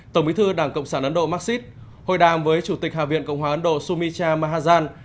tổng bí thư đảng cộng sản ấn độ marxist hội đàm với chủ tịch hạ viện cộng hòa ấn độ sumicha mahan